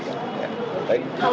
baik terima kasih